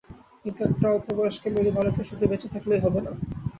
কিন্তু একটা অল্পবয়স্ক মেরু ভালুকের শুধু বেঁচে থাকলেই হবে না।